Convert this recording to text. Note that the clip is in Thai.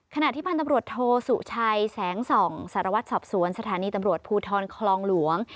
ขณะที่พันธบรวจโทสุชัยแสงส่องสารวัตรสอบสวนสถานีตำรวจภูทรคลองหลวง